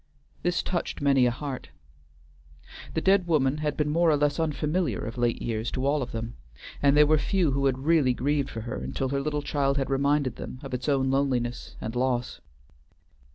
This touched many a heart. The dead woman had been more or less unfamiliar of late years to all of them; and there were few who had really grieved for her until her little child had reminded them of its own loneliness and loss.